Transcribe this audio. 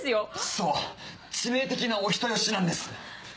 そう致命的なお人よしなんです。